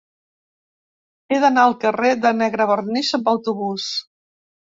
He d'anar al carrer de Negrevernís amb autobús.